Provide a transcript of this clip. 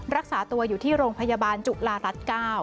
รักษาตัวอยู่ที่โรงพยาบาลจุฬารัฐ๙